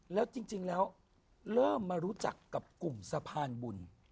แล้วจริงแล้วเริ่มมารู้จักกับกลุ่มสะพานบุญ